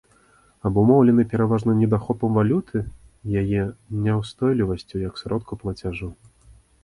Абумоўлены пераважна недахопам валюты, яе няўстойлівасцю як сродку плацяжу.